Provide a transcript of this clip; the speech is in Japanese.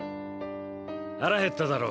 腹減っただろ？